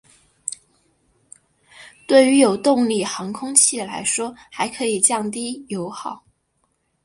对于有动力航空器来说还可降低油耗。